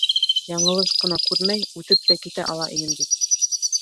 Яңылыш ҡына күрмәй үтеп тә китә ала инем бит.